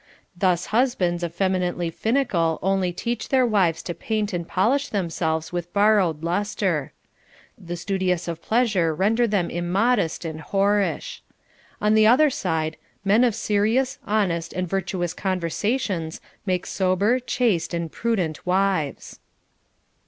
Thus husbands effeminately finical only teach their wives to paint and pol ish themselves with borrowed lustre. The studious of pleasure render them immodest and whorish. On the other side, men of serious, honest, and virtuous conversations make sober, chaste, and prudent wives.